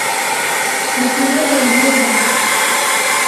Le tournage a eu lieu en Belgique.